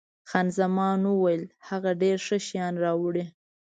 خان زمان وویل، هغه ډېر ښه شیان راوړي.